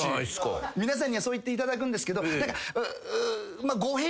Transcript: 皆さんにはそう言っていただくんですけど。